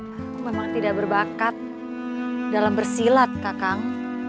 aku memang tidak berbakat dalam bersilat kakang